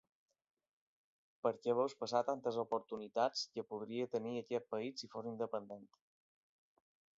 Perquè veus passar tantes oportunitats que podria tenir aquest país si fos independent.